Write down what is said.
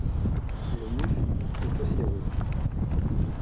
Le mufle est aussi rouge.